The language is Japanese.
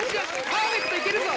パーフェクトいけるぞ！